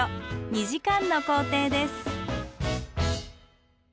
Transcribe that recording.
２時間の行程です。